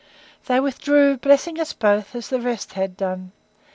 They withdrew, blessing us both, as the rest had done.